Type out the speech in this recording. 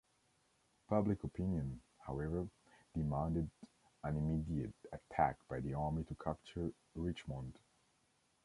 Public opinion, however, demanded an immediate attack by the army to capture Richmond.